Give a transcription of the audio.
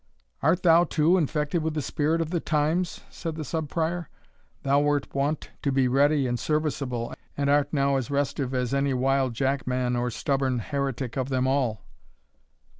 "Art thou, too, infected with the spirit of the times?" said the Sub Prior; "thou wert wont to be ready and serviceable, and art now as restive as any wild jack man or stubborn heretic of them all."